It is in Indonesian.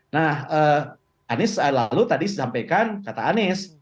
nah anies lalu tadi sampaikan kata anies